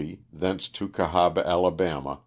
thence to Cahaba, Ala.